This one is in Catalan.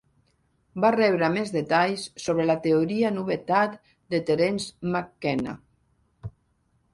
Va rebre més detalls sobre la Teoria Novetat de Terence McKenna.